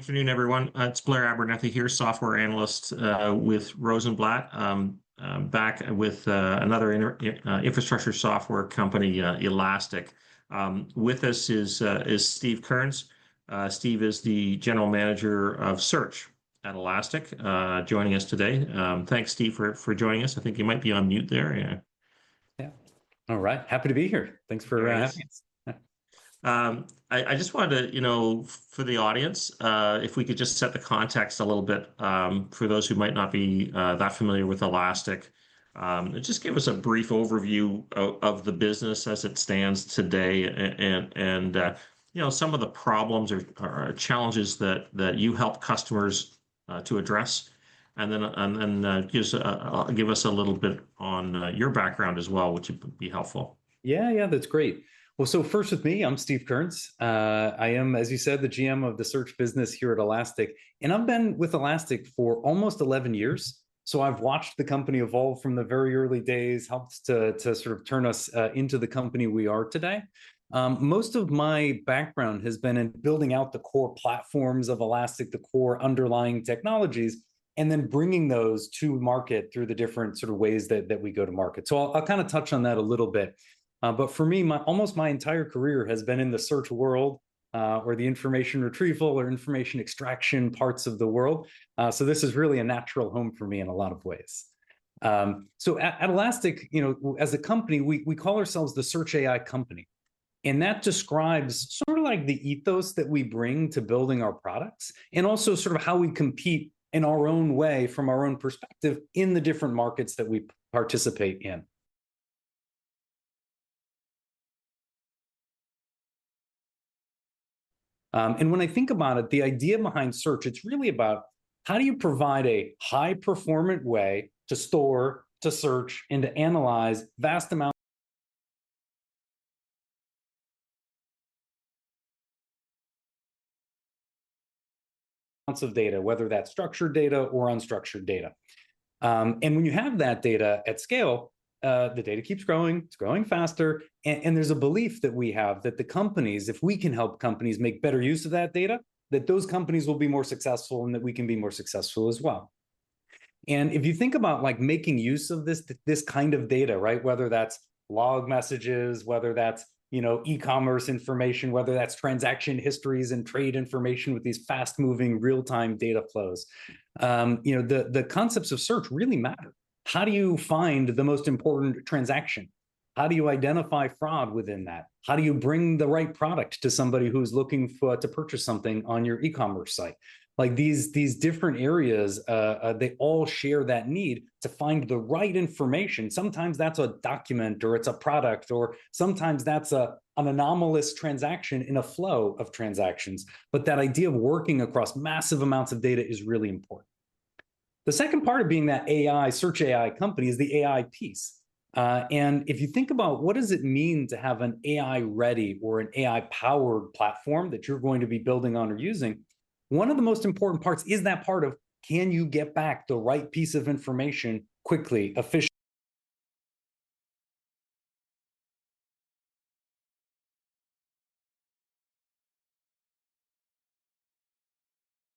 Good afternoon, everyone. It's Blair Abernethy here, software analyst with Rosenblatt, back with another infrastructure software company, Elastic. With us is Steve Kearns. Steve is the General Manager of Search at Elastic joining us today. Thanks, Steve, for joining us. I think you might be on mute there. Yeah. All right. Happy to be here. Thanks for asking. I just wanted to, you know, for the audience, if we could just set the context a little bit for those who might not be that familiar with Elastic, just give us a brief overview of the business as it stands today and, you know, some of the problems or challenges that you help customers to address. Then just give us a little bit on your background as well, which would be helpful. Yeah, yeah, that's great. First, with me, I'm Steve Kearns. I am, as you said, the GM of the search business here at Elastic. And I've been with Elastic for almost 11 years. I’ve watched the company evolve from the very early days, helped to sort of turn us into the company we are today. Most of my background has been in building out the core platforms of Elastic, the core underlying technologies, and then bringing those to market through the different sort of ways that we go to market. I'll kind of touch on that a little bit. For me, almost my entire career has been in the search world or the information retrieval or information extraction parts of the world. This is really a natural home for me in a lot of ways. At Elastic, you know, as a company, we call ourselves the Search AI company. That describes sort of like the ethos that we bring to building our products and also sort of how we compete in our own way from our own perspective in the different markets that we participate in. When I think about it, the idea behind search, it's really about how do you provide a high-performant way to store, to search, and to analyze vast amounts of data, whether that's structured data or unstructured data. When you have that data at scale, the data keeps growing, it's growing faster, and there's a belief that we have that the companies, if we can help companies make better use of that data, that those companies will be more successful and that we can be more successful as well. If you think about like making use of this kind of data, right, whether that's log messages, whether that's, you know, e-commerce information, whether that's transaction histories and trade information with these fast-moving real-time data flows, you know, the concepts of search really matter. How do you find the most important transaction? How do you identify fraud within that? How do you bring the right product to somebody who's looking to purchase something on your e-commerce site? Like these different areas, they all share that need to find the right information. Sometimes that's a document or it's a product, or sometimes that's an anomalous transaction in a flow of transactions. That idea of working across massive amounts of data is really important. The second part of being that AI, Search AI company is the AI piece. If you think about what does it mean to have an AI-ready or an AI-powered platform that you're going to be building on or using, one of the most important parts is that part of can you get back the right piece of information quickly,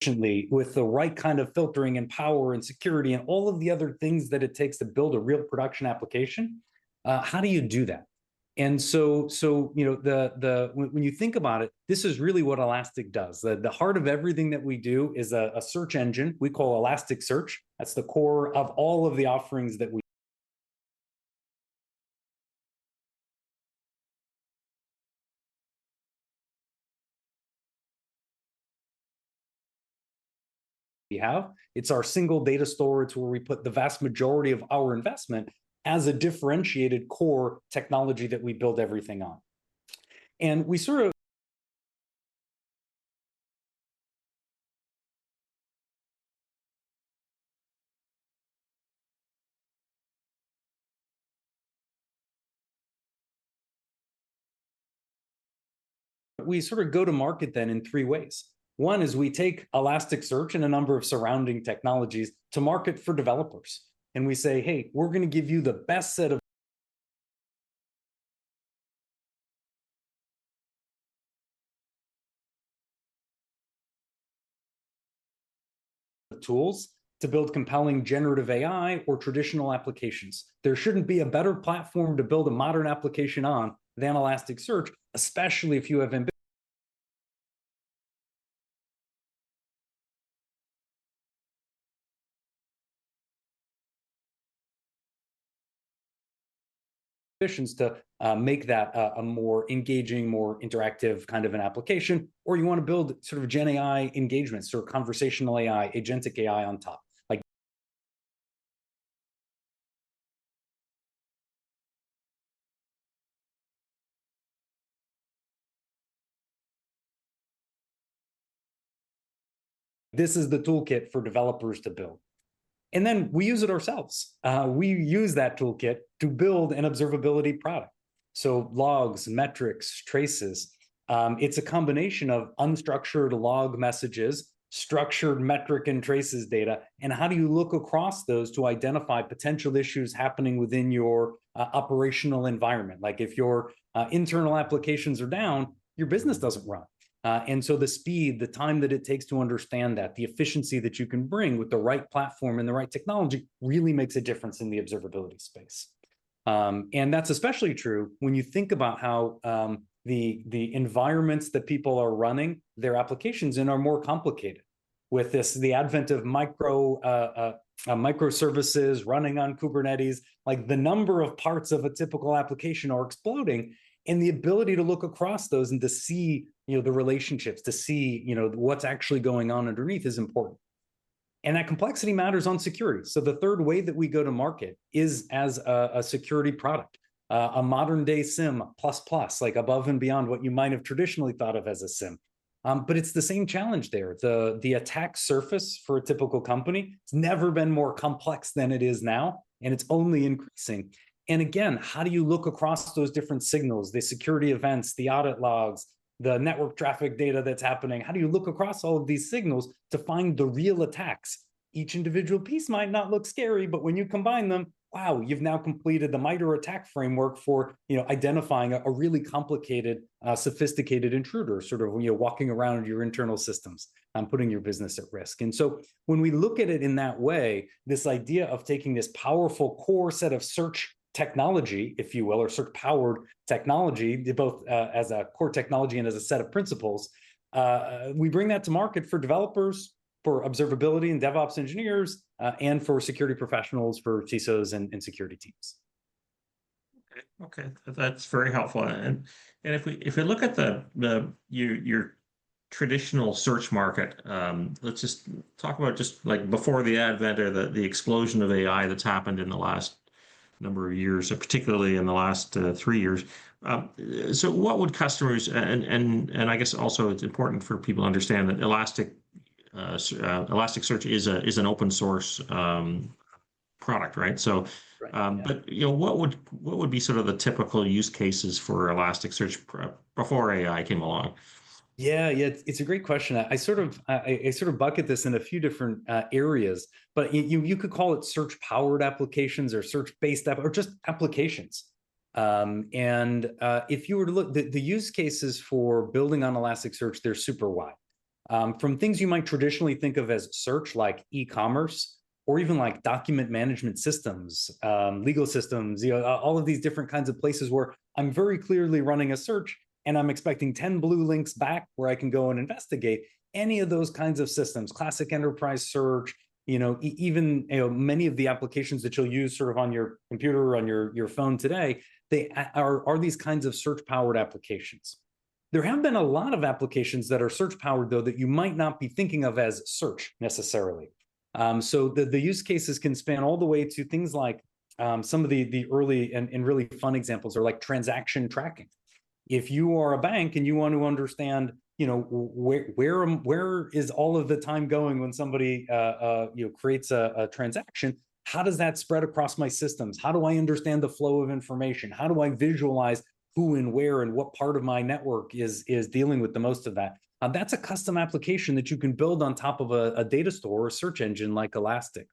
efficiently with the right kind of filtering and power and security and all of the other things that it takes to build a real production application? How do you do that? You know, when you think about it, this is really what Elastic does. The heart of everything that we do is a search engine. We call Elasticsearch. That's the core of all of the offerings that we have. It's our single data storage where we put the vast majority of our investment as a differentiated core technology that we build everything on. We sort of go to market then in three ways. One is we take Elasticsearch and a number of surrounding technologies to market for developers. We say, hey, we're going to give you the best set of tools to build compelling generative AI or traditional applications. There shouldn't be a better platform to build a modern application on than Elasticsearch, especially if you have ambitions to make that a more engaging, more interactive kind of an application, or you want to build sort of Gen AI engagements or conversational AI, agentic AI on top. This is the toolkit for developers to build. We use it ourselves. We use that toolkit to build an observability product. Logs, metrics, traces. It's a combination of unstructured log messages, structured metric and traces data, and how do you look across those to identify potential issues happening within your operational environment? Like if your internal applications are down, your business doesn't run. The speed, the time that it takes to understand that, the efficiency that you can bring with the right platform and the right technology really makes a difference in the observability space. That's especially true when you think about how the environments that people are running their applications in are more complicated with this, the advent of microservices running on Kubernetes, like the number of parts of a typical application are exploding and the ability to look across those and to see, you know, the relationships, to see, you know, what's actually going on underneath is important. That complexity matters on security. The third way that we go to market is as a security product, a modern-day SIEMPLUS plus, like above and beyond what you might have traditionally thought of as a SIEM. It is the same challenge there. The attack surface for a typical company has never been more complex than it is now, and it is only increasing. Again, how do you look across those different signals, the security events, the audit logs, the network traffic data that is happening? How do you look across all of these signals to find the real attacks? Each individual piece might not look scary, but when you combine them, wow, you have now completed the MITRE ATT&CK framework for, you know, identifying a really complicated, sophisticated intruder, sort of, you know, walking around your internal systems and putting your business at risk. When we look at it in that way, this idea of taking this powerful core set of search technology, if you will, or search-powered technology, both as a core technology and as a set of principles, we bring that to market for developers, for observability and DevOps engineers, and for security professionals, for CISOs and security teams. Okay, okay. That's very helpful. If we look at the traditional search market, let's just talk about just like before the advent or the explosion of AI that's happened in the last number of years, particularly in the last three years. What would customers, and I guess also it's important for people to understand that Elasticsearch is an open-source product, right? You know, what would be sort of the typical use cases for Elasticsearch before AI came along? Yeah, yeah, it's a great question. I sort of bucket this in a few different areas, but you could call it search-powered applications or search-based or just applications. If you were to look, the use cases for building on Elasticsearch, they're super wide. From things you might traditionally think of as search, like e-commerce or even like document management systems, legal systems, all of these different kinds of places where I'm very clearly running a search and I'm expecting 10 blue links back where I can go and investigate. Any of those kinds of systems, classic enterprise search, you know, even many of the applications that you'll use sort of on your computer or on your phone today, they are these kinds of search-powered applications. There have been a lot of applications that are search-powered, though, that you might not be thinking of as search necessarily. The use cases can span all the way to things like some of the early and really fun examples are like transaction tracking. If you are a bank and you want to understand, you know, where is all of the time going when somebody, you know, creates a transaction, how does that spread across my systems? How do I understand the flow of information? How do I visualize who and where and what part of my network is dealing with the most of that? That is a custom application that you can build on top of a data store or search engine like Elastic.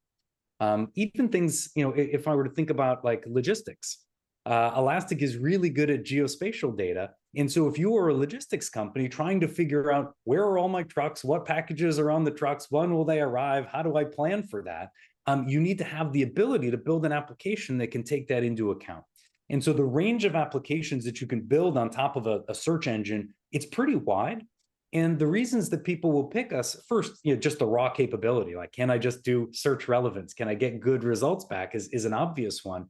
Even things, you know, if I were to think about like logistics, Elastic is really good at geospatial data. If you are a logistics company trying to figure out where are all my trucks, what packages are on the trucks, when will they arrive, how do I plan for that, you need to have the ability to build an application that can take that into account. The range of applications that you can build on top of a search engine is pretty wide. The reasons that people will pick us, first, you know, just the raw capability, like can I just do search relevance, can I get good results back, is an obvious one.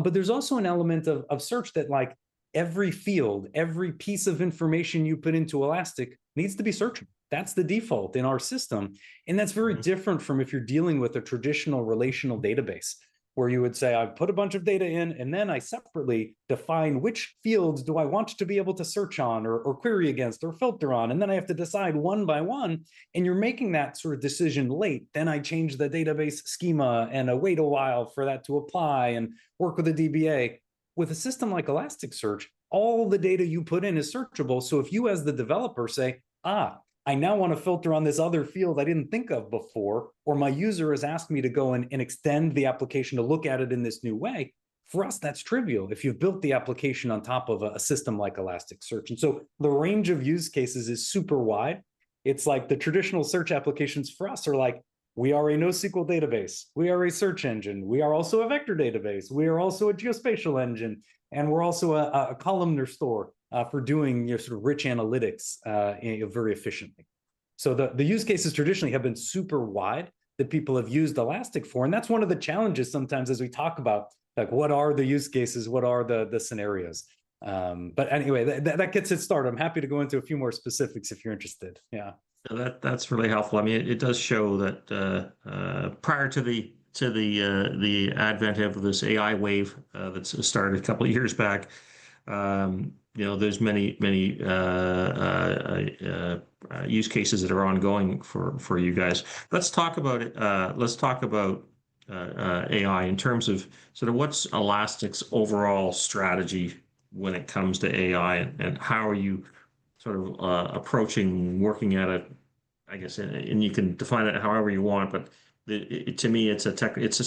There is also an element of search that, like, every field, every piece of information you put into Elastic needs to be searchable. That is the default in our system. That is very different from if you're dealing with a traditional relational database where you would say, I put a bunch of data in and then I separately define which fields do I want to be able to search on or query against or filter on, and then I have to decide one by one. You're making that sort of decision late, then I change the database schema and I wait a while for that to apply and work with the DBA. With a system like Elasticsearch, all the data you put in is searchable. If you as the developer say, I now want to filter on this other field I did not think of before, or my user has asked me to go and extend the application to look at it in this new way, for us, that is trivial if you have built the application on top of a system like Elasticsearch. The range of use cases is super wide. The traditional search applications for us are like, we are a NoSQL database, we are a search engine, we are also a vector database, we are also a geospatial engine, and we are also a columnar store for doing your sort of rich analytics very efficiently. The use cases traditionally have been super wide that people have used Elastic for. That is one of the challenges sometimes as we talk about like what are the use cases, what are the scenarios. Anyway, that gets it started. I'm happy to go into a few more specifics if you're interested. Yeah. That's really helpful. I mean, it does show that prior to the advent of this AI wave that started a couple of years back, you know, there's many, many use cases that are ongoing for you guys. Let's talk about it. Let's talk about AI in terms of sort of what's Elastic's overall strategy when it comes to AI and how are you sort of approaching working at it, I guess, and you can define it however you want, but to me, it's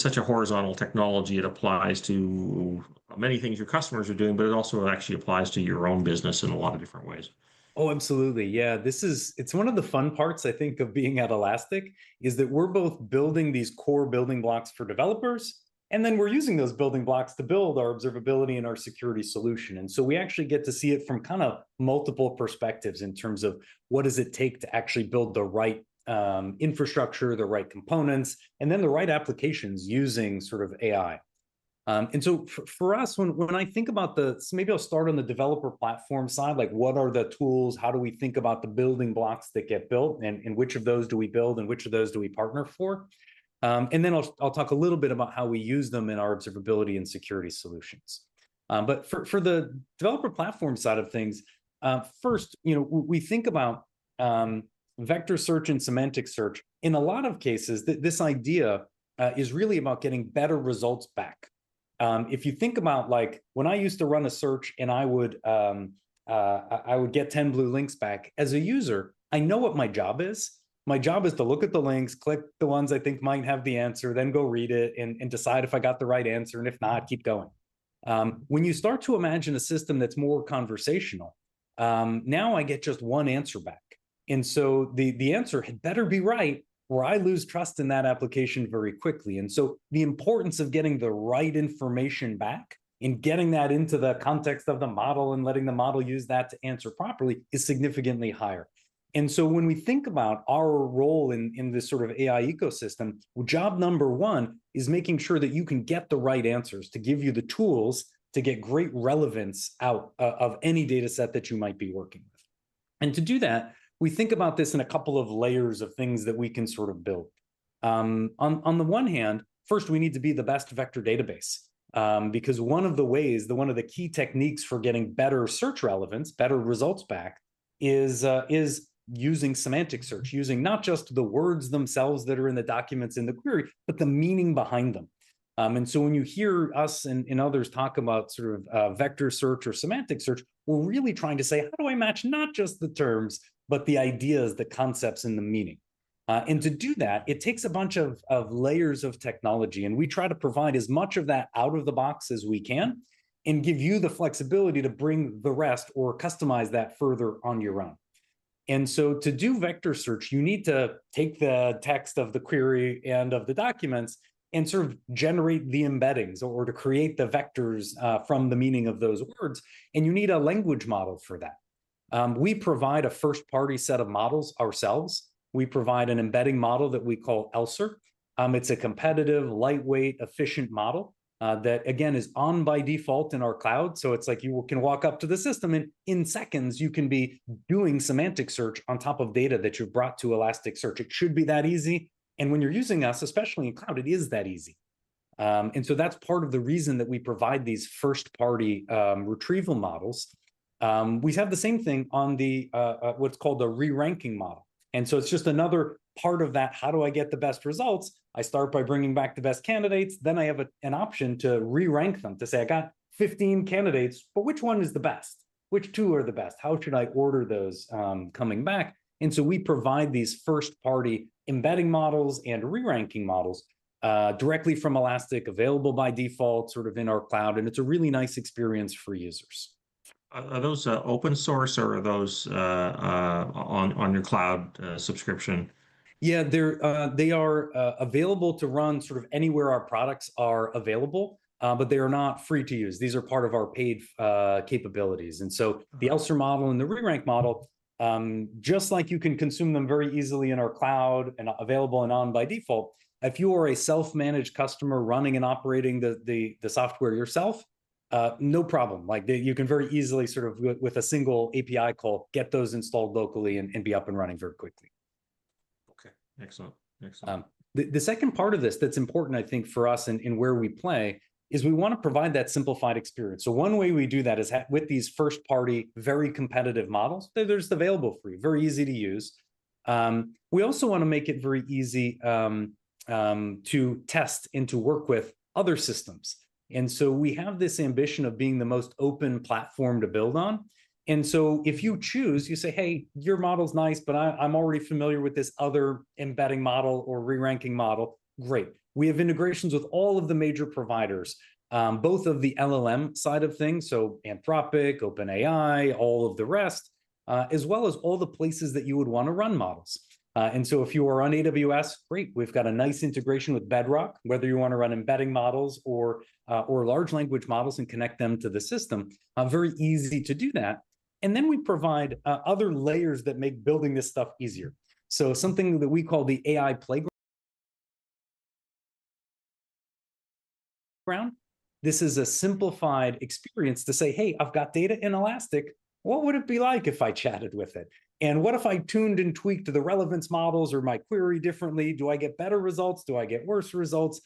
such a horizontal technology. It applies to many things your customers are doing, but it also actually applies to your own business in a lot of different ways. Oh, absolutely. Yeah. This is, it's one of the fun parts, I think, of being at Elastic is that we're both building these core building blocks for developers, and then we're using those building blocks to build our observability and our security solution. We actually get to see it from kind of multiple perspectives in terms of what does it take to actually build the right infrastructure, the right components, and then the right applications using sort of AI. For us, when I think about the, so maybe I'll start on the developer platform side, like what are the tools, how do we think about the building blocks that get built and which of those do we build and which of those do we partner for? Then I'll talk a little bit about how we use them in our observability and security solutions. For the developer platform side of things, first, you know, we think about vector search and semantic search. In a lot of cases, this idea is really about getting better results back. If you think about like when I used to run a search and I would get 10 blue links back, as a user, I know what my job is. My job is to look at the links, click the ones I think might have the answer, then go read it and decide if I got the right answer, and if not, keep going. When you start to imagine a system that's more conversational, now I get just one answer back. The answer had better be right or I lose trust in that application very quickly. The importance of getting the right information back and getting that into the context of the model and letting the model use that to answer properly is significantly higher. When we think about our role in this sort of AI ecosystem, job number one is making sure that you can get the right answers to give you the tools to get great relevance out of any data set that you might be working with. To do that, we think about this in a couple of layers of things that we can sort of build. On the one hand, first, we need to be the best vector database because one of the ways, one of the key techniques for getting better search relevance, better results back is using semantic search, using not just the words themselves that are in the documents in the query, but the meaning behind them. When you hear us and others talk about sort of vector search or semantic search, we're really trying to say, how do I match not just the terms, but the ideas, the concepts and the meaning? To do that, it takes a bunch of layers of technology, and we try to provide as much of that out of the box as we can and give you the flexibility to bring the rest or customize that further on your own. To do vector search, you need to take the text of the query and of the documents and sort of generate the embeddings or to create the vectors from the meaning of those words, and you need a language model for that. We provide a first-party set of models ourselves. We provide an embedding model that we call ELSER. It's a competitive, lightweight, efficient model that, again, is on by default in our cloud. It's like you can walk up to the system and in seconds, you can be doing semantic search on top of data that you've brought to Elasticsearch. It should be that easy. When you're using us, especially in cloud, it is that easy. That's part of the reason that we provide these first-party retrieval models. We have the same thing on what's called the re-ranking model. It is just another part of that, how do I get the best results? I start by bringing back the best candidates, then I have an option to re-rank them to say, I got 15 candidates, but which one is the best? Which two are the best? How should I order those coming back? We provide these first-party embedding models and re-ranking models directly from Elastic, available by default, sort of in our cloud, and it is a really nice experience for users. Are those open source or are those on your cloud subscription? Yeah, they are available to run sort of anywhere our products are available, but they are not free to use. These are part of our paid capabilities. The ELSER model and the re-rank model, just like you can consume them very easily in our cloud and available and on by default, if you are a self-managed customer running and operating the software yourself, no problem. You can very easily sort of with a single API call, get those installed locally and be up and running very quickly. Okay, excellent. The second part of this that's important, I think, for us and where we play is we want to provide that simplified experience. One way we do that is with these first-party, very competitive models that are just available free, very easy to use. We also want to make it very easy to test and to work with other systems. We have this ambition of being the most open platform to build on. If you choose, you say, hey, your model's nice, but I'm already familiar with this other embedding model or re-ranking model, great. We have integrations with all of the major providers, both of the LLM side of things, so Anthropic, OpenAI, all of the rest, as well as all the places that you would want to run models. If you are on AWS, great, we've got a nice integration with Bedrock, whether you want to run embedding models or large language models and connect them to the system, very easy to do that. We provide other layers that make building this stuff easier. Something that we call the AI Playground. This is a simplified experience to say, hey, I've got data in Elastic, what would it be like if I chatted with it? What if I tuned and tweaked the relevance models or my query differently? Do I get better results? Do I get worse results?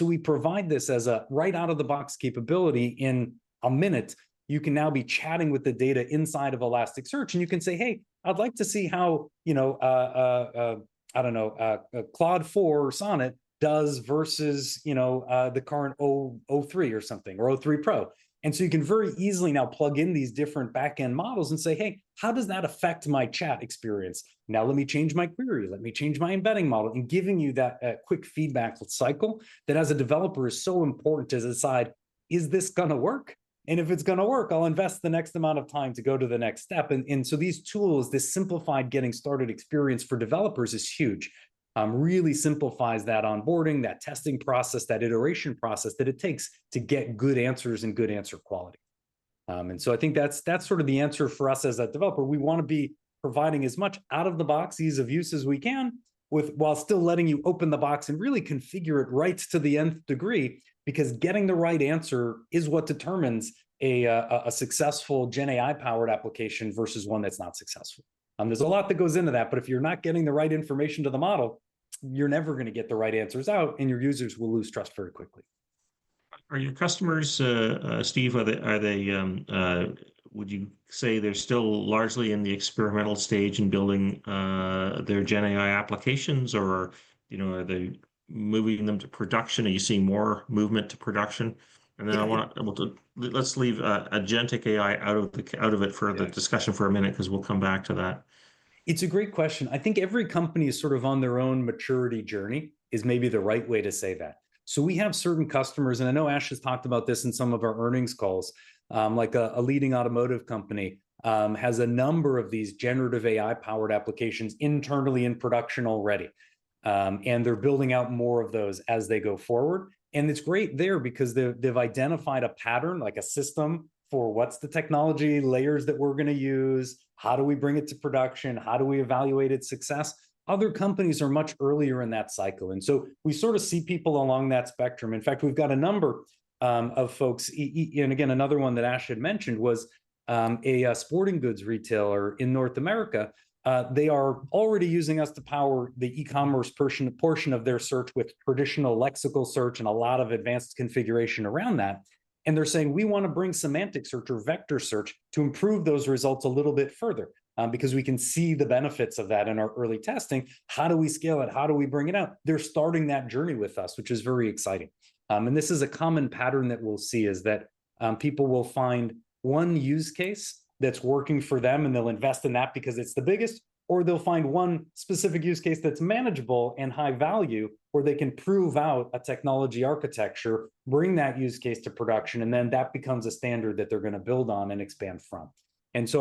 We provide this as a right out of the box capability. In a minute, you can now be chatting with the data inside of Elasticsearch and you can say, hey, I'd like to see how, you know, I don't know, Claude 4 or Sonnet does versus, you know, the current O3 or something or O3 Pro. You can very easily now plug in these different backend models and say, hey, how does that affect my chat experience? Now let me change my query, let me change my embedding model, and giving you that quick feedback cycle that as a developer is so important to decide, is this going to work? If it's going to work, I'll invest the next amount of time to go to the next step. These tools, this simplified getting started experience for developers is huge. Really simplifies that onboarding, that testing process, that iteration process that it takes to get good answers and good answer quality. I think that's sort of the answer for us as a developer. We want to be providing as much out of the box ease of use as we can while still letting you open the box and really configure it right to the nth degree because getting the right answer is what determines a successful GenAI powered application versus one that's not successful. There's a lot that goes into that, but if you're not getting the right information to the model, you're never going to get the right answers out and your users will lose trust very quickly. Are your customers, Steve, are they, would you say they're still largely in the experimental stage in building their GenAI applications or, you know, are they moving them to production? Are you seeing more movement to production? I want to, let's leave Agentic AI out of it for the discussion for a minute because we'll come back to that. It's a great question. I think every company is sort of on their own maturity journey is maybe the right way to say that. We have certain customers, and I know Ash has talked about this in some of our earnings calls, like a leading automotive company has a number of these generative AI powered applications internally in production already. They're building out more of those as they go forward. It's great there because they've identified a pattern, like a system for what's the technology layers that we're going to use, how do we bring it to production, how do we evaluate its success? Other companies are much earlier in that cycle. We sort of see people along that spectrum. In fact, we've got a number of folks, and again, another one that Ash had mentioned was a sporting goods retailer in North America. They are already using us to power the e-commerce portion of their search with traditional lexical search and a lot of advanced configuration around that. They are saying, we want to bring semantic search or vector search to improve those results a little bit further because we can see the benefits of that in our early testing. How do we scale it? How do we bring it out? They are starting that journey with us, which is very exciting. This is a common pattern that we will see is that people will find one use case that is working for them and they will invest in that because it is the biggest, or they will find one specific use case that is manageable and high value where they can prove out a technology architecture, bring that use case to production, and then that becomes a standard that they are going to build on and expand from. These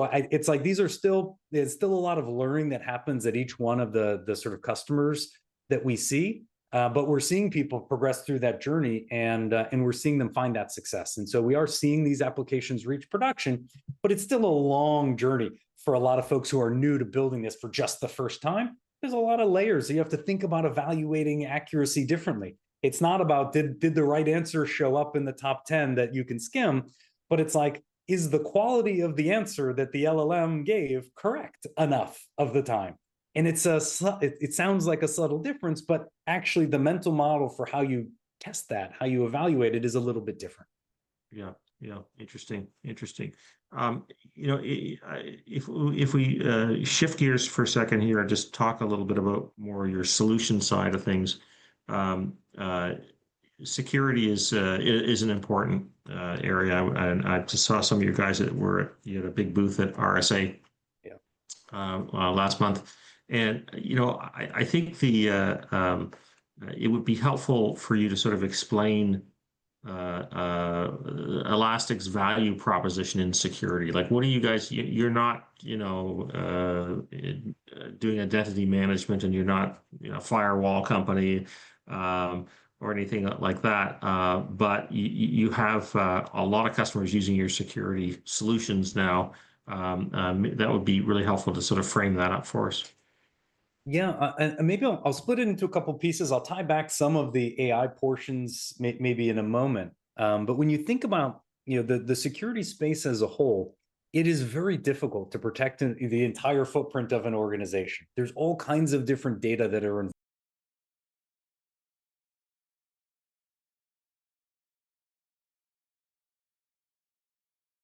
are still, there's still a lot of learning that happens at each one of the sort of customers that we see, but we're seeing people progress through that journey and we're seeing them find that success. We are seeing these applications reach production, but it's still a long journey for a lot of folks who are new to building this for just the first time. There's a lot of layers. You have to think about evaluating accuracy differently. It's not about did the right answer show up in the top 10 that you can skim, but it's like, is the quality of the answer that the LLM gave correct enough of the time? It sounds like a subtle difference, but actually the mental model for how you test that, how you evaluate it is a little bit different. Yeah, yeah, interesting, interesting. You know, if we shift gears for a second here, just talk a little bit about more your solution side of things. Security is an important area. I just saw some of your guys that were, you had a big booth at RSA last month. You know, I think it would be helpful for you to sort of explain Elastic's value proposition in security. Like what are you guys, you're not, you know, doing identity management and you're not a firewall company or anything like that, but you have a lot of customers using your security solutions now. That would be really helpful to sort of frame that up for us. Yeah, and maybe I'll split it into a couple of pieces. I'll tie back some of the AI portions maybe in a moment. When you think about, you know, the security space as a whole, it is very difficult to protect the entire footprint of an organization. There's all kinds of different data that are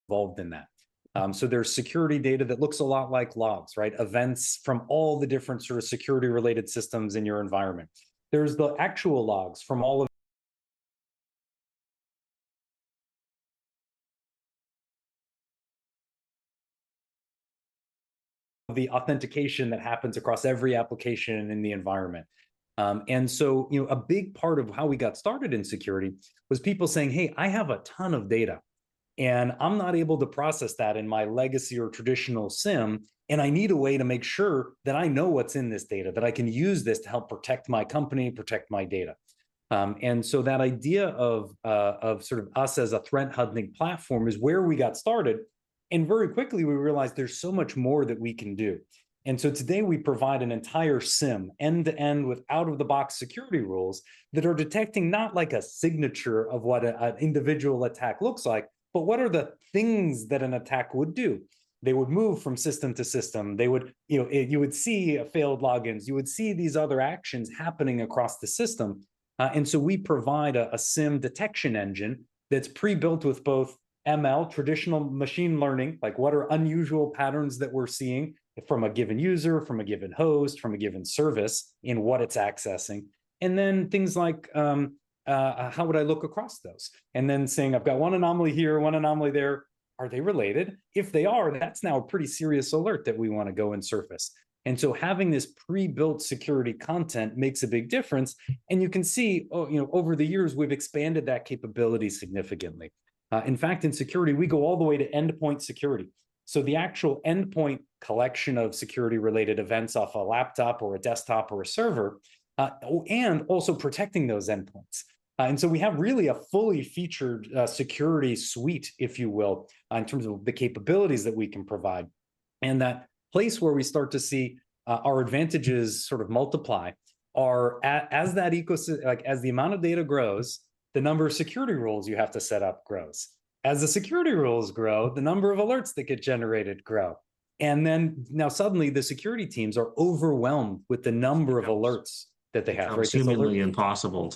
involved in that. There's security data that looks a lot like logs, right? Events from all the different sort of security-related systems in your environment. There's the actual logs from all of the authentication that happens across every application in the environment. You know, a big part of how we got started in security was people saying, hey, I have a ton of data and I'm not able to process that in my legacy or traditional SIEM, and I need a way to make sure that I know what's in this data, that I can use this to help protect my company, protect my data. That idea of sort of us as a threat hunting platform is where we got started. Very quickly we realized there's so much more that we can do. Today we provide an entire SIEM, end to end with out-of-the-box security rules that are detecting not like a signature of what an individual attack looks like, but what are the things that an attack would do? They would move from system to system. They would, you know, you would see failed logins, you would see these other actions happening across the system. We provide a SIEM detection engine that's pre-built with both ML, traditional machine learning, like what are unusual patterns that we're seeing from a given user, from a given host, from a given service in what it's accessing. Things like, how would I look across those? Saying, I've got one anomaly here, one anomaly there. Are they related? If they are, that's now a pretty serious alert that we want to go and surface. Having this pre-built security content makes a big difference. You can see, you know, over the years we've expanded that capability significantly. In fact, in security, we go all the way to endpoint security. The actual endpoint collection of security-related events off a laptop or a desktop or a server and also protecting those endpoints. We have really a fully featured security suite, if you will, in terms of the capabilities that we can provide. That place where we start to see our advantages sort of multiply is as that ecosystem, like as the amount of data grows, the number of security rules you have to set up grows. As the security rules grow, the number of alerts that get generated grows. Now suddenly the security teams are overwhelmed with the number of alerts that they have. It's absolutely impossible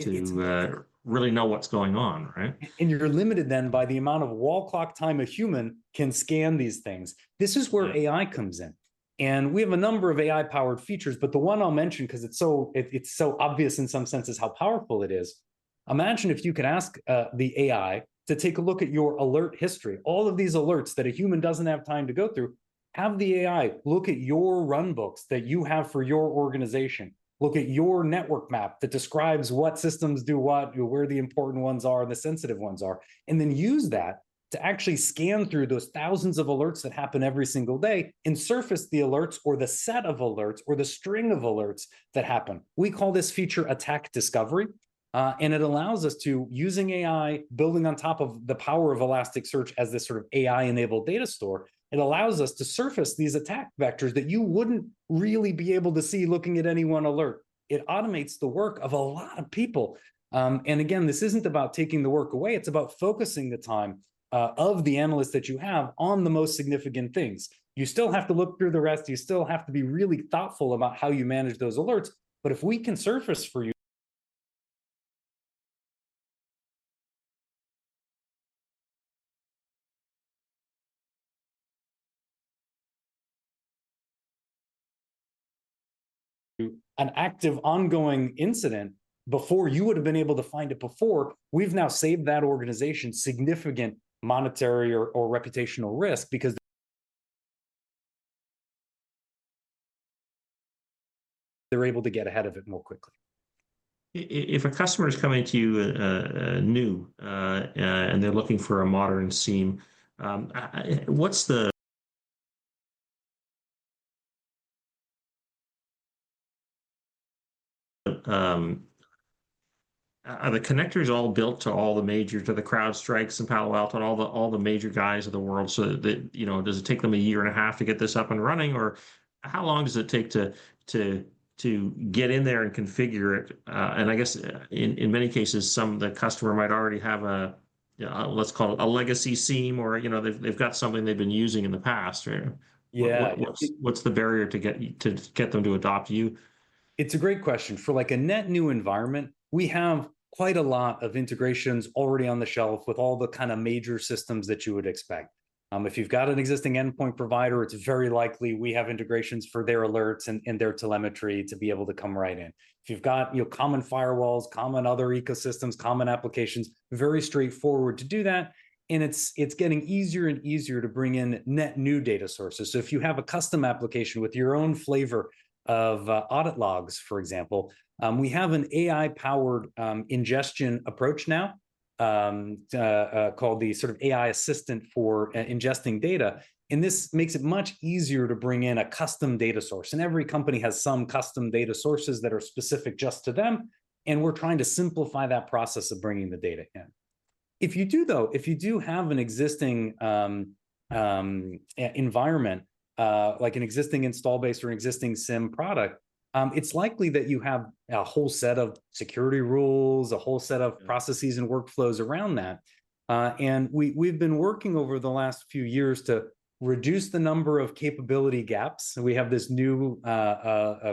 to really know what's going on, right? You are limited then by the amount of wall clock time a human can scan these things. This is where AI comes in. We have a number of AI powered features, but the one I'll mention because it's so obvious in some senses how powerful it is. Imagine if you could ask the AI to take a look at your alert history. All of these alerts that a human doesn't have time to go through, have the AI look at your runbooks that you have for your organization, look at your network map that describes what systems do what, where the important ones are and the sensitive ones are, and then use that to actually scan through those thousands of alerts that happen every single day and surface the alerts or the set of alerts or the string of alerts that happen. We call this feature Attack Discovery. It allows us to, using AI, building on top of the power of Elasticsearch as this sort of AI-enabled data store, surface these attack vectors that you would not really be able to see looking at any one alert. It automates the work of a lot of people. Again, this is not about taking the work away. It is about focusing the time of the analyst that you have on the most significant things. You still have to look through the rest. You still have to be really thoughtful about how you manage those alerts. If we can surface for you an active ongoing incident before you would have been able to find it before, we have now saved that organization significant monetary or reputational risk because they are able to get ahead of it more quickly. If a customer is coming to you new and they're looking for a modern SIEM, what's the, are the connectors all built to all the major, to the CrowdStrike and Palo Alto and all the major guys of the world? That, you know, does it take them a year and a half to get this up and running? How long does it take to get in there and configure it? I guess in many cases, some of the customer might already have a, let's call it a legacy SIEM or, you know, they've got something they've been using in the past. What's the barrier to get them to adopt you? It's a great question. For like a net new environment, we have quite a lot of integrations already on the shelf with all the kind of major systems that you would expect. If you've got an existing endpoint provider, it's very likely we have integrations for their alerts and their telemetry to be able to come right in. If you've got, you know, common firewalls, common other ecosystems, common applications, very straightforward to do that. It's getting easier and easier to bring in net new data sources. If you have a custom application with your own flavor of audit logs, for example, we have an AI-powered ingestion approach now called the sort of AI assistant for ingesting data. This makes it much easier to bring in a custom data source. Every company has some custom data sources that are specific just to them. We are trying to simplify that process of bringing the data in. If you do, though, if you do have an existing environment, like an existing install base or an existing SIEM product, it is likely that you have a whole set of security rules, a whole set of processes and workflows around that. We have been working over the last few years to reduce the number of capability gaps. We have this new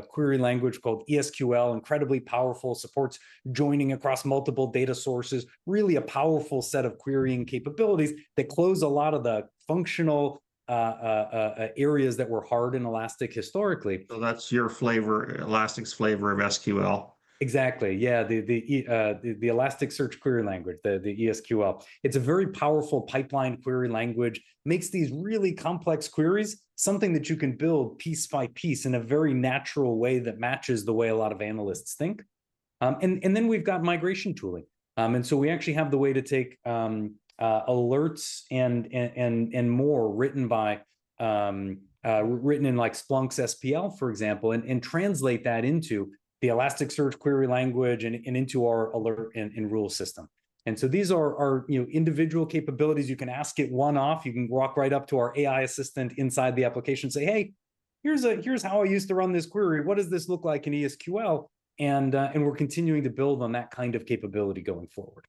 query language called ES|QL, incredibly powerful, supports joining across multiple data sources, really a powerful set of querying capabilities that close a lot of the functional areas that were hard in Elastic historically. That's your flavor, Elastic's flavor of SQL. Exactly. Yeah. The Elastic Search Query Language, the ES|QL. It's a very powerful pipeline query language, makes these really complex queries, something that you can build piece by piece in a very natural way that matches the way a lot of analysts think. We have migration tooling. We actually have the way to take alerts and more written by, written in like Splunk's SPL, for example, and translate that into the Elastic Search Query Language and into our alert and rule system. These are individual capabilities. You can ask it one-off. You can walk right up to our AI assistant inside the application, say, hey, here's how I used to run this query. What does this look like in ES|QL? We're continuing to build on that kind of capability going forward.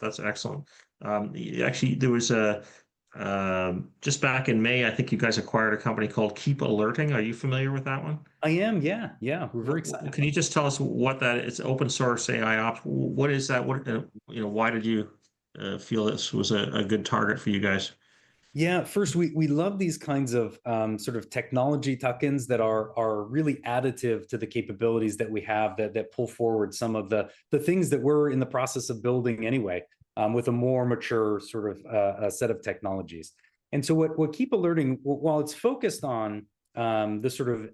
That's excellent. Actually, there was just back in May, I think you guys acquired a company called Keep Alerting. Are you familiar with that one? I am. Yeah. We're very excited. Can you just tell us what that is? It's open source AIOps. What is that? You know, why did you feel this was a good target for you guys? Yeah. First, we love these kinds of sort of technology tokens that are really additive to the capabilities that we have that pull forward some of the things that we're in the process of building anyway with a more mature sort of set of technologies. And so what Keep Alerting, while it's focused on the sort of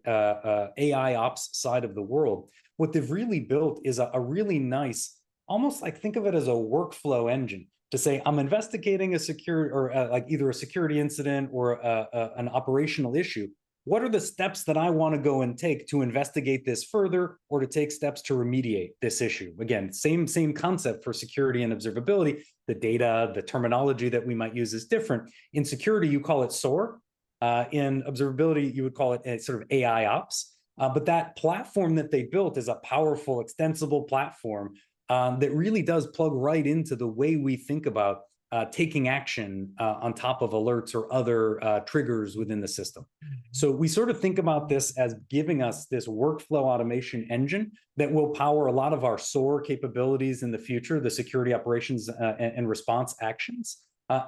AIOps side of the world, what they've really built is a really nice, almost like think of it as a workflow engine to say, I'm investigating a secure or like either a security incident or an operational issue. What are the steps that I want to go and take to investigate this further or to take steps to remediate this issue? Again, same concept for security and observability. The data, the terminology that we might use is different. In security, you call it SOAR. In observability, you would call it a sort of AIOps. That platform that they built is a powerful, extensible platform that really does plug right into the way we think about taking action on top of alerts or other triggers within the system. We sort of think about this as giving us this workflow automation engine that will power a lot of our SOAR capabilities in the future, the security operations and response actions,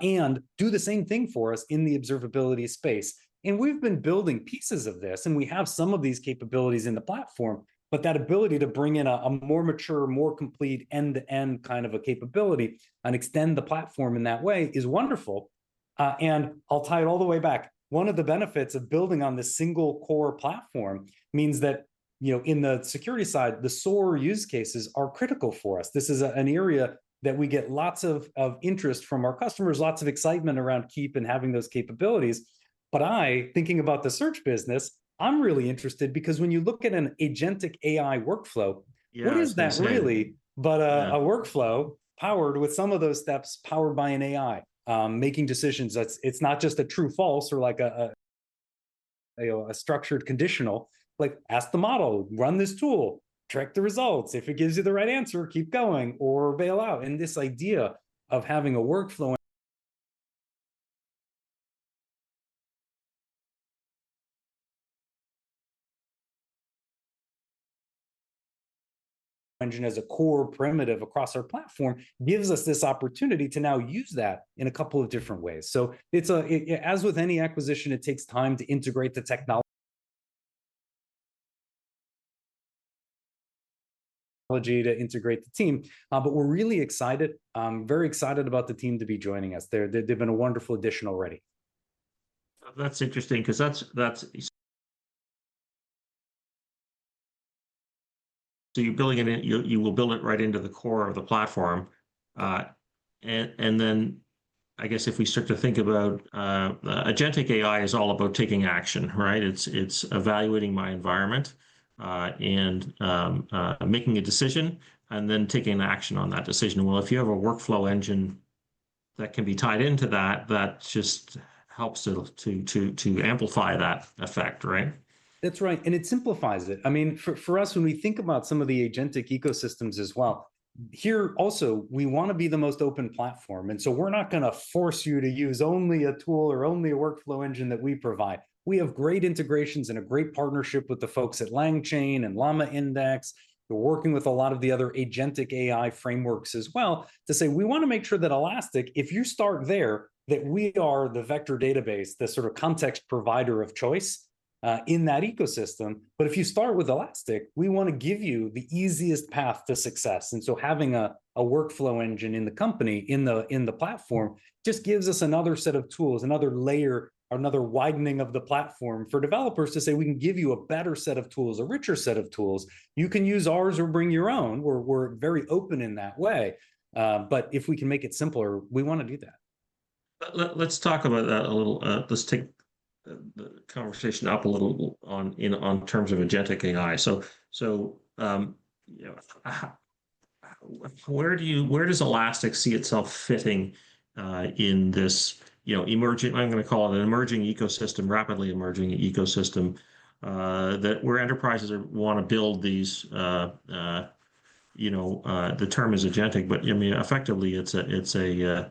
and do the same thing for us in the observability space. We have been building pieces of this and we have some of these capabilities in the platform, but that ability to bring in a more mature, more complete end-to-end kind of a capability and extend the platform in that way is wonderful. I will tie it all the way back. One of the benefits of building on the single core platform means that, you know, in the security side, the SOAR use cases are critical for us. This is an area that we get lots of interest from our customers, lots of excitement around Keep and having those capabilities. I, thinking about the search business, I'm really interested because when you look at an agentic AI workflow, what is that really but a workflow powered with some of those steps powered by an AI making decisions? It's not just a true/false or like a structured conditional, like ask the model, run this tool, track the results. If it gives you the right answer, keep going or bail out. This idea of having a workflow engine as a core primitive across our platform gives us this opportunity to now use that in a couple of different ways. As with any acquisition, it takes time to integrate the technology, to integrate the team. We are really excited, very excited about the team to be joining us. They have been a wonderful addition already. That's interesting because that's, so you're building it, you will build it right into the core of the platform. I guess if we start to think about agentic AI is all about taking action, right? It's evaluating my environment and making a decision and then taking action on that decision. If you have a workflow engine that can be tied into that, that just helps to amplify that effect, right? That's right. It simplifies it. I mean, for us, when we think about some of the agentic ecosystems as well, here also we want to be the most open platform. We are not going to force you to use only a tool or only a workflow engine that we provide. We have great integrations and a great partnership with the folks at LangChain and LlamaIndex. We are working with a lot of the other agentic AI frameworks as well to say we want to make sure that Elastic, if you start there, that we are the vector database, the sort of context provider of choice in that ecosystem. If you start with Elastic, we want to give you the easiest path to success. Having a workflow engine in the company, in the platform, just gives us another set of tools, another layer, another widening of the platform for developers to say we can give you a better set of tools, a richer set of tools. You can use ours or bring your own. We are very open in that way. If we can make it simpler, we want to do that. Let's talk about that a little. Let's take the conversation up a little in terms of agentic AI. Where do you, where does Elastic see itself fitting in this, you know, emergent, I'm going to call it an emerging ecosystem, rapidly emerging ecosystem where enterprises want to build these, you know, the term is agentic, but I mean, effectively it's a, you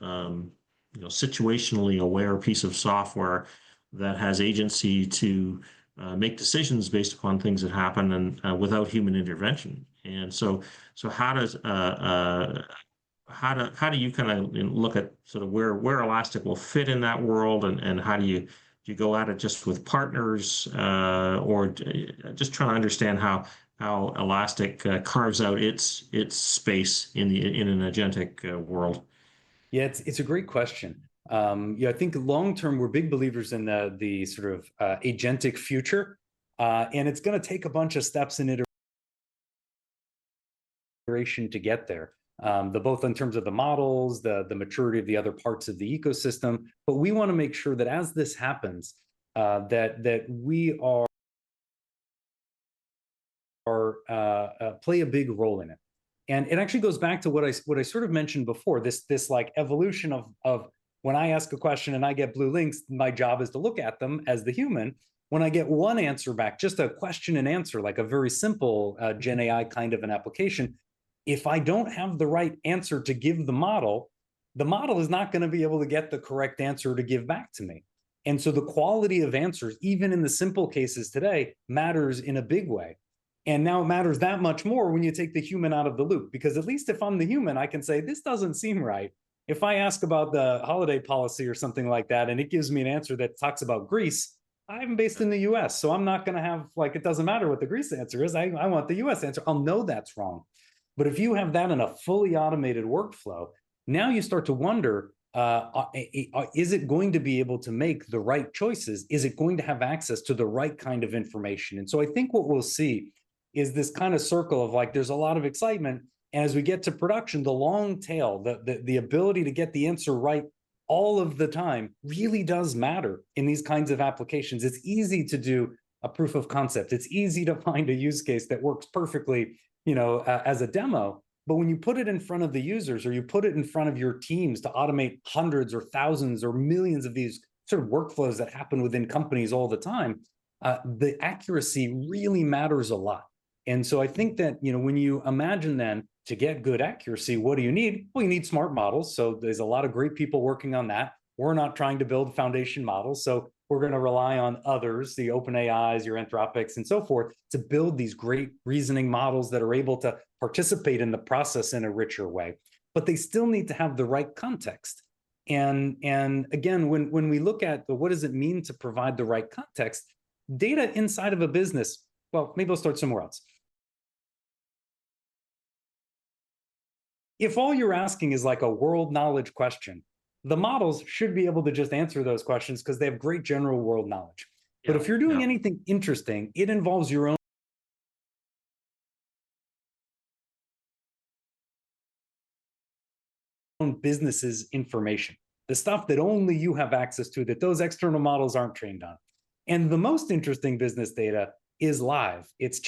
know, situationally aware piece of software that has agency to make decisions based upon things that happen and without human intervention. How do you kind of look at sort of where Elastic will fit in that world and how do you go at it just with partners or just trying to understand how Elastic carves out its space in an agentic world? Yeah, it's a great question. You know, I think long term we're big believers in the sort of agentic future. It's going to take a bunch of steps in iteration to get there, both in terms of the models, the maturity of the other parts of the ecosystem. We want to make sure that as this happens, that we play a big role in it. It actually goes back to what I sort of mentioned before, this like evolution of when I ask a question and I get blue links, my job is to look at them as the human. When I get one answer back, just a question and answer, like a very simple GenAI kind of an application, if I don't have the right answer to give the model, the model is not going to be able to get the correct answer to give back to me. The quality of answers, even in the simple cases today, matters in a big way. It matters that much more when you take the human out of the loop, because at least if I'm the human, I can say this doesn't seem right. If I ask about the holiday policy or something like that and it gives me an answer that talks about Greece, I'm based in the U.S., so I'm not going to have like, it doesn't matter what the Greece answer is. I want the U.S. answer. I'll know that's wrong. If you have that in a fully automated workflow, now you start to wonder, is it going to be able to make the right choices? Is it going to have access to the right kind of information? I think what we'll see is this kind of circle of like there's a lot of excitement. As we get to production, the long tail, the ability to get the answer right all of the time really does matter in these kinds of applications. It's easy to do a proof of concept. It's easy to find a use case that works perfectly, you know, as a demo. When you put it in front of the users or you put it in front of your teams to automate hundreds or thousands or millions of these sort of workflows that happen within companies all the time, the accuracy really matters a lot. I think that, you know, when you imagine then to get good accuracy, what do you need? You need smart models. There are a lot of great people working on that. We're not trying to build foundation models. We're going to rely on others, the OpenAIs, your Anthropics, and so forth to build these great reasoning models that are able to participate in the process in a richer way. They still need to have the right context. When we look at what does it mean to provide the right context, data inside of a business, maybe we'll start somewhere else. If all you're asking is like a world knowledge question, the models should be able to just answer those questions because they have great general world knowledge. If you're doing anything interesting, it involves your own business's information, the stuff that only you have access to that those external models aren't trained on. The most interesting business data is live. It's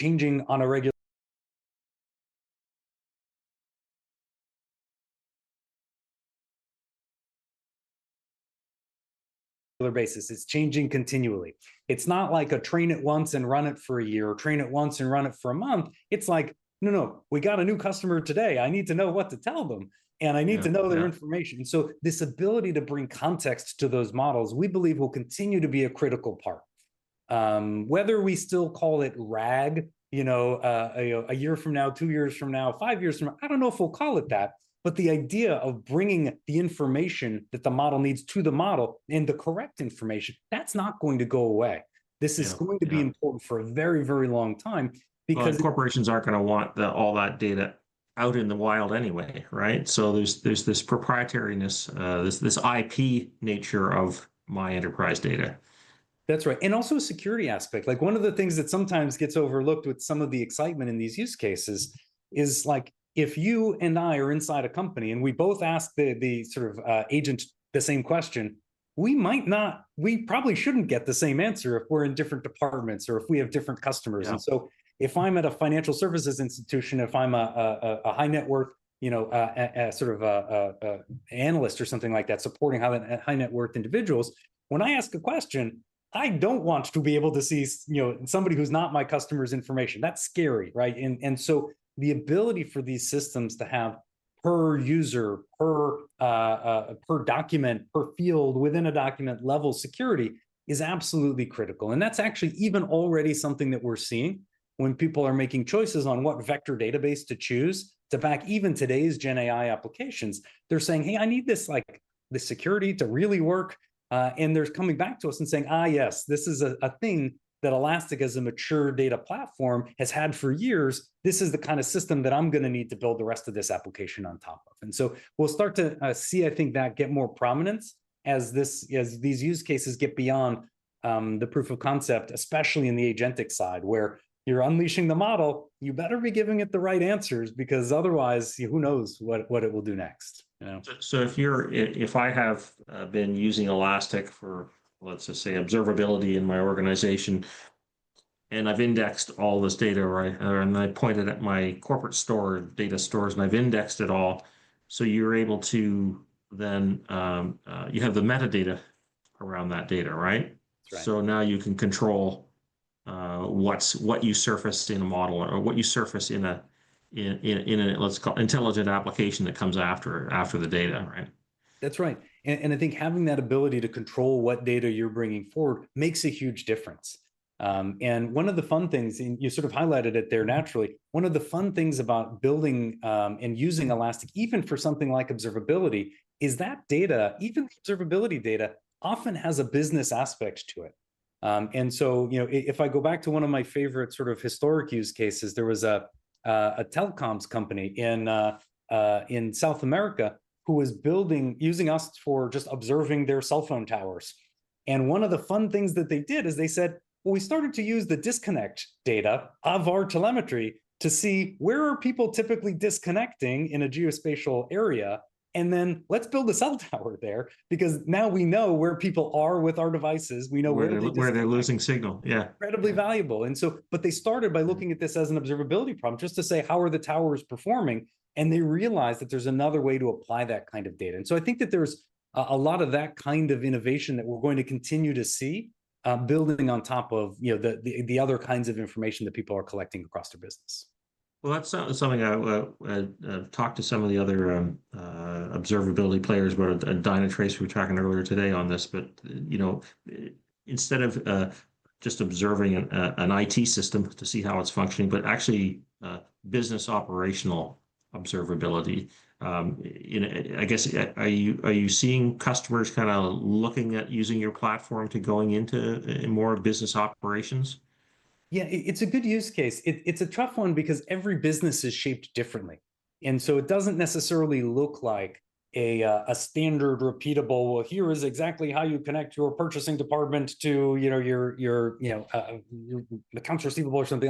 changing on a regular basis. It's changing continually. It's not like a train it once and run it for a year or train it once and run it for a month. It's like, no, no, we got a new customer today. I need to know what to tell them. I need to know their information. This ability to bring context to those models, we believe will continue to be a critical part. Whether we still call it RAG, you know, a year from now, two years from now, five years from now, I do not know if we will call it that, but the idea of bringing the information that the model needs to the model and the correct information, that is not going to go away. This is going to be important for a very, very long time because. Corporations aren't going to want all that data out in the wild anyway, right? So there's this proprietariness, this IP nature of my enterprise data. That's right. Also a security aspect. Like one of the things that sometimes gets overlooked with some of the excitement in these use cases is like if you and I are inside a company and we both ask the sort of agent the same question, we might not, we probably shouldn't get the same answer if we're in different departments or if we have different customers. If I'm at a financial services institution, if I'm a high net worth, you know, sort of an analyst or something like that supporting high net worth individuals, when I ask a question, I don't want to be able to see, you know, somebody who's not my customer's information. That's scary, right? The ability for these systems to have per user, per document, per field within a document level security is absolutely critical. That is actually even already something that we are seeing when people are making choices on what vector database to choose to back even today's GenAI applications. They are saying, hey, I need this, like, the security to really work. They are coming back to us and saying, yes, this is a thing that Elastic as a mature data platform has had for years. This is the kind of system that I am going to need to build the rest of this application on top of. We will start to see, I think, that get more prominence as these use cases get beyond the proof of concept, especially in the agentic side where you are unleashing the model. You better be giving it the right answers because otherwise who knows what it will do next. If I have been using Elastic for, let's just say, observability in my organization and I've indexed all this data, right? I pointed at my corporate store data stores and I've indexed it all. You're able to then, you have the metadata around that data, right? Now you can control what you surface in a model or what you surface in a, let's call it intelligent application that comes after the data, right? That's right. I think having that ability to control what data you're bringing forward makes a huge difference. One of the fun things, and you sort of highlighted it there naturally, one of the fun things about building and using Elastic, even for something like observability, is that data, even the observability data, often has a business aspect to it. You know, if I go back to one of my favorite sort of historic use cases, there was a telecoms company in South America who was building using us for just observing their cell phone towers. One of the fun things that they did is they said, we started to use the disconnect data of our telemetry to see where are people typically disconnecting in a geospatial area, and then let's build a cell tower there because now we know where people are with our devices. We know where they're losing signal. Where they're losing signal. Yeah. Incredibly valuable. They started by looking at this as an observability problem just to say how are the towers performing. They realized that there's another way to apply that kind of data. I think that there's a lot of that kind of innovation that we're going to continue to see building on top of, you know, the other kinds of information that people are collecting across their business. That's something I've talked to some of the other observability players where Dynatrace, we were talking earlier today on this, but you know, instead of just observing an IT system to see how it's functioning, but actually business operational observability. I guess, are you seeing customers kind of looking at using your platform to going into more business operations? Yeah, it's a good use case. It's a tough one because every business is shaped differently. It doesn't necessarily look like a standard repeatable, well, here is exactly how you connect your purchasing department to, you know, your accounts receivable or something.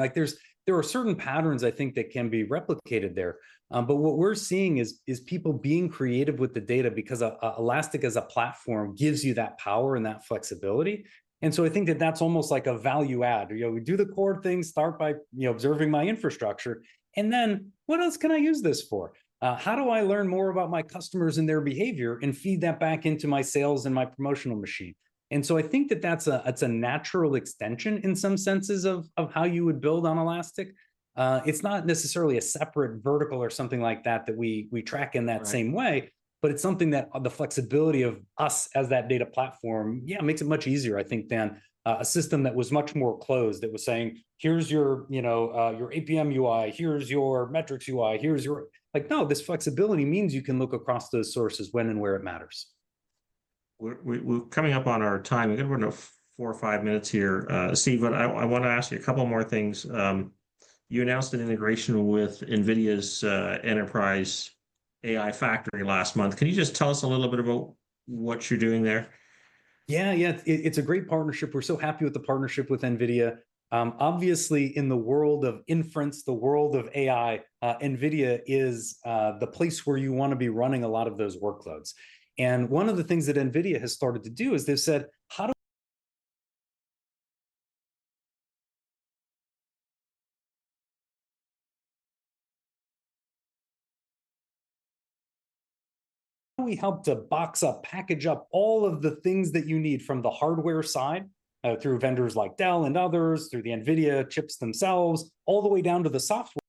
There are certain patterns I think that can be replicated there. What we're seeing is people being creative with the data because Elastic as a platform gives you that power and that flexibility. I think that that's almost like a value add. You know, we do the core thing, start by, you know, observing my infrastructure. Then what else can I use this for? How do I learn more about my customers and their behavior and feed that back into my sales and my promotional machine? I think that that's a natural extension in some senses of how you would build on Elastic. It's not necessarily a separate vertical or something like that that we track in that same way, but it's something that the flexibility of us as that data platform, yeah, makes it much easier, I think, than a system that was much more closed that was saying, here's your, you know, your APM UI, here's your metrics UI, here's your, like, no, this flexibility means you can look across those sources when and where it matters. We're coming up on our time. We're going to run four or five minutes here. Steve, I want to ask you a couple more things. You announced an integration with NVIDIA Enterprise AI Factory last month. Can you just tell us a little bit about what you're doing there? Yeah, yeah, it's a great partnership. We're so happy with the partnership with NVIDIA. Obviously, in the world of inference, the world of AI, NVIDIA is the place where you want to be running a lot of those workloads. One of the things that NVIDIA has started to do is they've said, how do we help to box up, package up all of the things that you need from the hardware side through vendors like Dell and others, through the NVIDIA chips themselves, all the way down to the software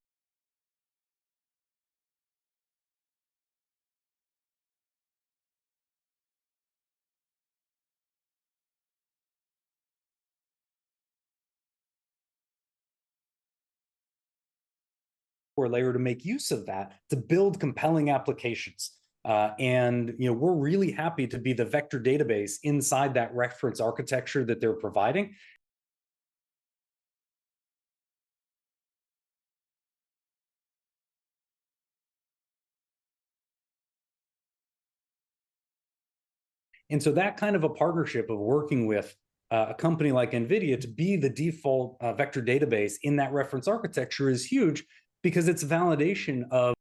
layer to make use of that to build compelling applications. You know, we're really happy to be the vector database inside that reference architecture that they're providing. That kind of a partnership of working with a company like NVIDIA to be the default vector database in that reference architecture is huge because it's validation of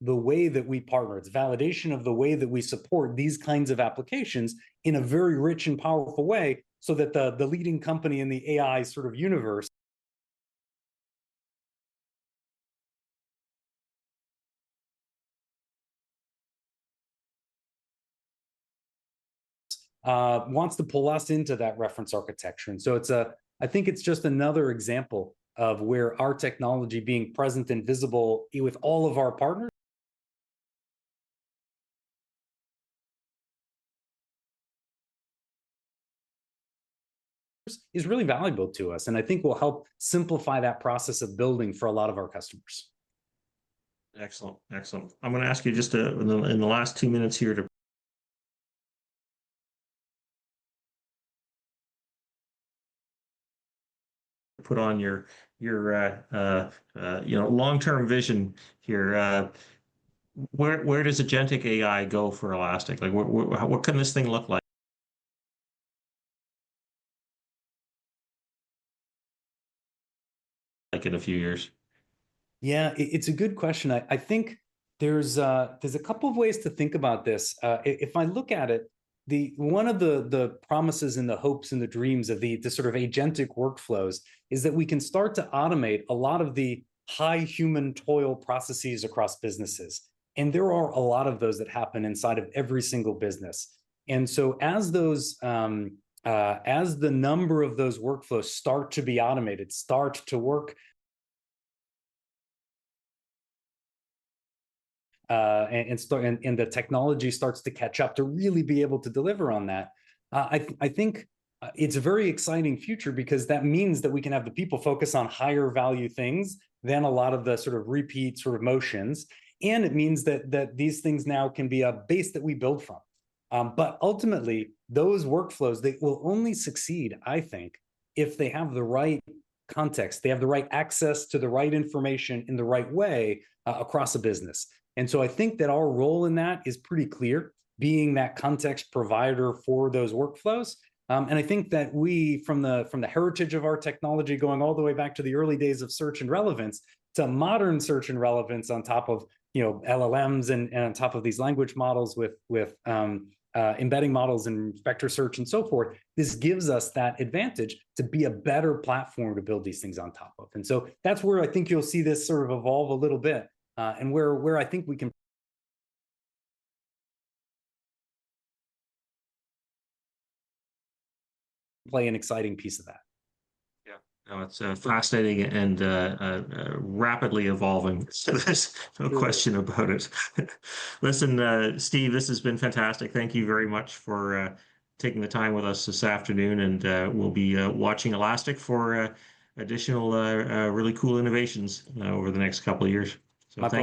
the way that we partner, it's validation of the way that we support these kinds of applications in a very rich and powerful way so that the leading company in the AI sort of universe wants to pull us into that reference architecture. I think it's just another example of where our technology being present and visible with all of our partners is really valuable to us and I think will help simplify that process of building for a lot of our customers. Excellent. Excellent. I'm going to ask you just in the last two minutes here to put on your, you know, long-term vision here. Where does agentic AI go for Elastic? Like what can this thing look like in a few years? Yeah, it's a good question. I think there's a couple of ways to think about this. If I look at it, one of the promises and the hopes and the dreams of the sort of agentic workflows is that we can start to automate a lot of the high human toil processes across businesses. There are a lot of those that happen inside of every single business. As the number of those workflows start to be automated, start to work and the technology starts to catch up to really be able to deliver on that, I think it's a very exciting future because that means that we can have the people focus on higher value things than a lot of the sort of repeat sort of motions. It means that these things now can be a base that we build from. Ultimately, those workflows, they will only succeed, I think, if they have the right context, they have the right access to the right information in the right way across a business. I think that our role in that is pretty clear, being that context provider for those workflows. I think that we from the heritage of our technology going all the way back to the early days of search and relevance to modern search and relevance on top of, you know, LLMs and on top of these language models with embedding models and vector search and so forth, this gives us that advantage to be a better platform to build these things on top of. That is where I think you'll see this sort of evolve a little bit and where I think we can play an exciting piece of that. Yeah, it's fascinating and rapidly evolving. There's no question about it. Listen, Steve, this has been fantastic. Thank you very much for taking the time with us this afternoon and we'll be watching Elastic for additional really cool innovations over the next couple of years.